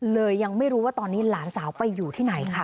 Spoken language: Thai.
เลยยังไม่รู้ว่าตอนนี้หลานสาวไปอยู่ที่ไหนค่ะ